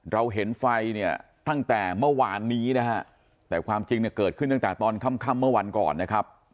เราเห็นไฟเนี่ยตั้งแต่เมื่อวานนี้นะฮะแต่ความจริงเนี่ยเกิดขึ้นตั้งแต่ตอนค่ำเมื่อวันก่อนนะครับ